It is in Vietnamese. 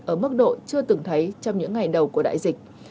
ở mức độ chưa từng thấy trong những ngày đầu của đại dịch